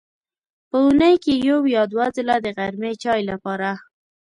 په اوونۍ کې یو یا دوه ځله د غرمې چای لپاره.